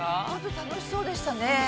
◆楽しそうでしたね。